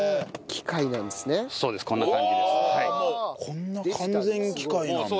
こんな完全に機械なんだ。